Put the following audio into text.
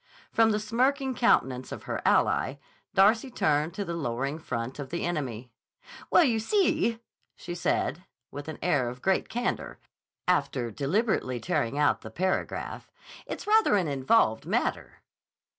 From the smirking countenance of her ally, Darcy turned to the lowering front of the enemy. "Well, you see," she said with an air of great candor, after deliberately tearing out the paragraph, "it's rather an involved matter."